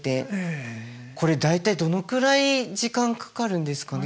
これ大体どのくらい時間かかるんですかね